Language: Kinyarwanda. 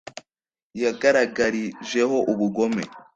Yangaragarijeho ubugome